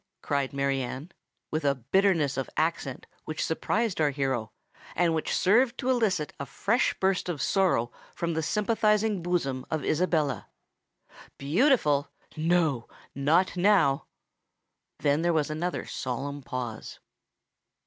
cried Mary Anne, with a bitterness of accent which surprised our hero, and which served to elicit a fresh burst of sorrow from the sympathising bosom of Isabella: "beautiful—no, not now!" Then there was another solemn pause.